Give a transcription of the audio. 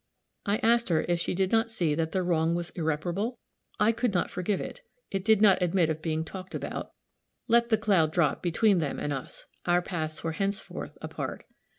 I asked her if she did not see that the wrong was irreparable? I could not forgive it. It did not admit of being talked about; let the cloud drop between them and us; our paths were henceforth apart.